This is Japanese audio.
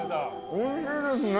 おいしいですね。